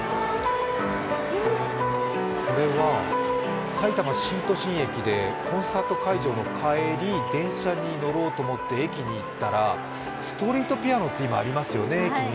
これはさいたま新都心駅でコンサート会場の帰り、電車に乗ろうと思って駅に行ったらストリートピアノって今、駅にありますね。